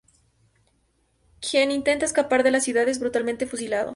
Quien intenta escapar de la ciudad es brutalmente fusilado.